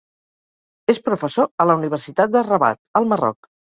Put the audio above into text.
És professor a la Universitat de Rabat, al Marroc.